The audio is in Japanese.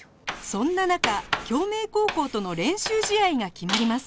そんな中京明高校との練習試合が決まります